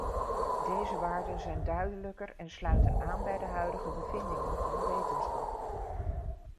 Deze waarden zijn duidelijker en sluiten aan bij de huidige bevindingen van de wetenschap.